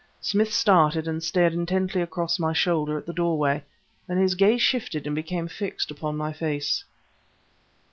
Smith started and stared intently across my shoulder at the doorway; then his gaze shifted and became fixed upon my face.